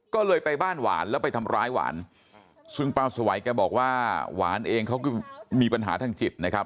ก็เลยไปบ้านหวานแล้วไปทำร้ายหวานซึ่งป้าสวัยแกบอกว่าหวานเองเขาก็มีปัญหาทางจิตนะครับ